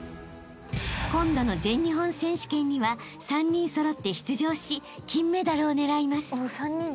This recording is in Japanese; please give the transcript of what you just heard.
［今度の全日本選手権には３人揃って出場し金メダルを狙います］